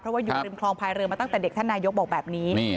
เพราะว่าอยู่ริมคลองพายเรือมาตั้งแต่เด็กท่านนายกบอกแบบนี้